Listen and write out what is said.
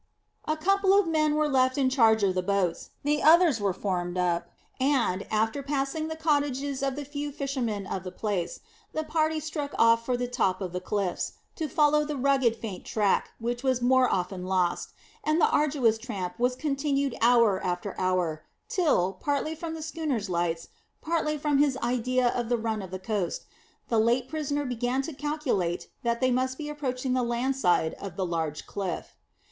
A couple of men were left in charge of the boats, the others were formed up, and, after passing the cottages of the few fishermen of the place, the party struck off for the top of the cliffs, to follow the rugged, faint track which was more often lost, and the arduous tramp was continued hour after hour, till, partly from the schooner's lights, partly from his idea of the run of the coast, the late prisoner began to calculate that they must be approaching the land side of the large cliff.